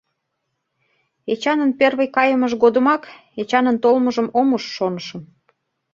Эчанын первый кайымыж годымак «Эчанын толмыжым ом уж» шонышым.